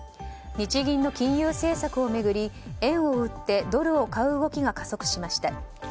日銀の金融政策を巡り円を売ってドルを買う動きが加速しました。